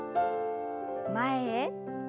前へ。